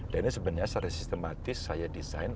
dan ini sebenarnya secara sistematis saya desain